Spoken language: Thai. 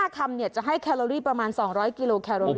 ๕คำเนี่ยจะให้แครอลอรี่ประมาณ๒๐๐กิโลแครอลอรี่